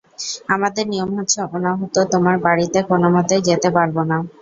আমাদের নিয়ম হচ্ছে, অনাহূত তোমার বাড়িতে কোনোমতেই যেতে পারব না।